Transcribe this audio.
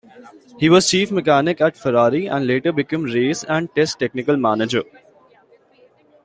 He was Chief Mechanic at Ferrari and later became Race and Test Technical Manager.